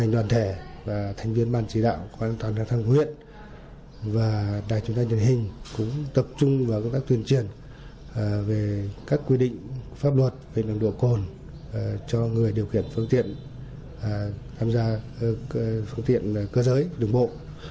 điều kiện phương tiện cho người điều khiển phương tiện tham gia phương tiện cơ giới đường bộ